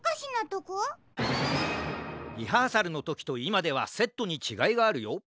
リハーサルのときといまではセットにちがいがあるよ。